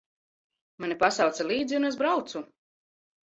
Mani pasauca līdzi, un es braucu.